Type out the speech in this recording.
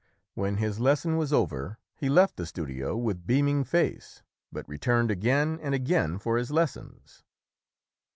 When his lesson was over he left the studio with beaming face but returned again and again for his lessons.